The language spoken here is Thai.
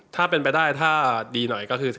ถ้าเป็นไปได้ถ้าดีหน่อยก็คือ